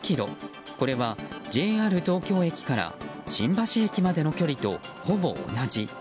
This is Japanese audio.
これはＪＲ東京駅から新橋駅までの距離とほぼ同じ。